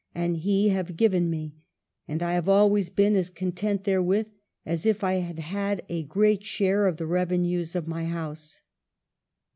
and he have given me ; and I have always been as content therewith as if I had had a great share of the revenues of my House."